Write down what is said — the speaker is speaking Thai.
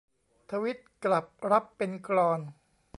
ทวิตกลับรับเป็นกลอน